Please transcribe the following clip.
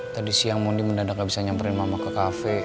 tadi siang mondi mendadak gak bisa nyamperin mama ke kafe